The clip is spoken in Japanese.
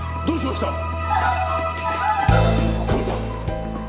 どうしました？